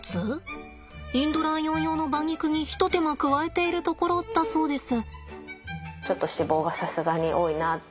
インドライオン用の馬肉に一手間加えているところだそうです。